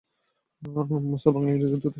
মুসা বাংলা, ইংরেজি এবং উর্দুতে সাবলীল।